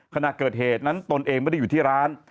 ขณะเกิดเหตุนั้นตนเองไม่ได้อยู่ที่ร้าน